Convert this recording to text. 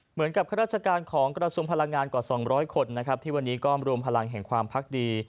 เหมือนกับเค้าราชการของกระทรวมพลังงานก่อ๒๐๐คนที่วันนี้ก็อำรุมภารังแห่งความภัครดี